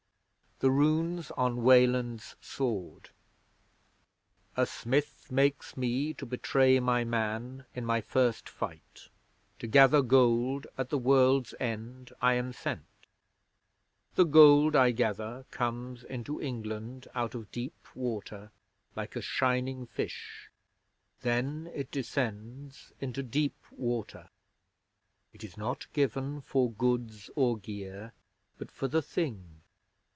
THE RUNES ON WELAND'S SWORD A Smith makes me To betray my Man In my first fight. To gather Gold At the world's end I am sent. The Gold I gather Comes into England Out of deep Water. Like a shining Fish Then it descends Into deep Water. It is not given For goods or gear, But for The Thing.